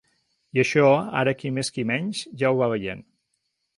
I això ara qui més qui menys ja ho va veient.